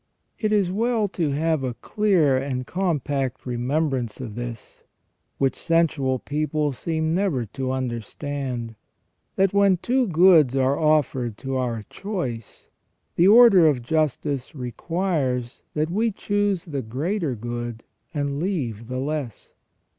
It is well to have a clear and compact remembrance of this, which sensual people seem never to understand, that when two goods are offered to our choice, the order of justice requires that we choose the greater good and leave the less.